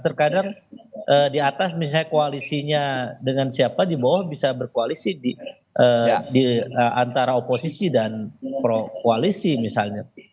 terkadang di atas misalnya koalisinya dengan siapa di bawah bisa berkoalisi di antara oposisi dan koalisi misalnya